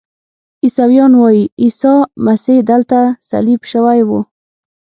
عیسویان وایي عیسی مسیح دلته صلیب شوی و.